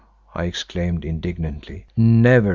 I exclaimed indignantly. "Never!